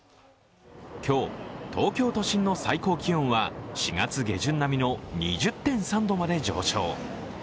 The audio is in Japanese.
今日、東京都心の最高気温は４月下旬並みの２０．３度まで上昇。